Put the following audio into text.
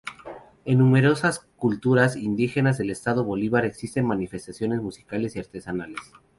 En numerosas culturas indígenas del Estado Bolívar existen manifestaciones musicales y artesanales.